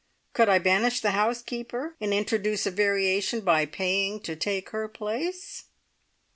Could I banish the housekeeper, and introduce a variation by paying to take her place?"